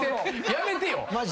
やめてよ。